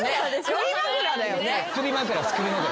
首枕だよね。